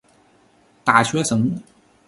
大学生